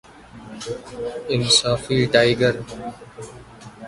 انصافی ٹائگر